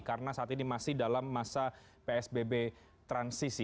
karena saat ini masih dalam masa psbb transisi